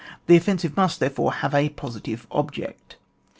The ofiPensive must, therefore, have & positive object.